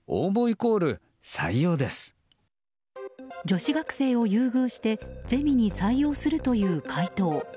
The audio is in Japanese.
女子学生を優遇してゼミに採用するという回答。